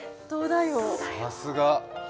さすが。